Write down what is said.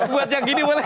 buat yang gini boleh